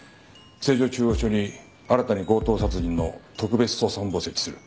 成城中央署に新たに強盗殺人の特別捜査本部を設置する。